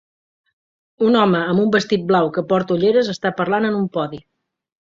Un home amb un vestit blau que porta ulleres està parlant en un podi.